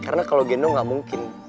karena kalau gendong gak mungkin